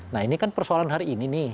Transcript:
nah ini kan persoalan hari ini nih